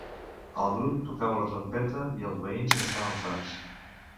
El grup tocava la trompeta i els veïns n'estaven farts.